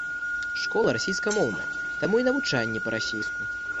Школа расейскамоўная, таму і навучанне па-расейску.